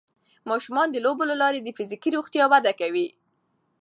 ماشومان د لوبو له لارې د فزیکي روغتیا وده کوي.